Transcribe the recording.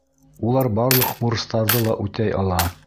Улар барлыҡ бурыстарҙы ла үтәй ала.